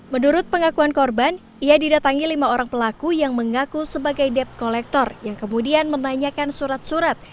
menurut pengakuan korban ia didatangi lima orang pelaku yang mengaku sebagai debt collector yang kemudian menanyakan surat surat